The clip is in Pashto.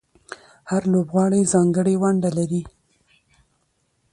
هر لوبغاړی ځانګړې ونډه لري.